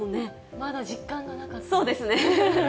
まだ実感がなかった。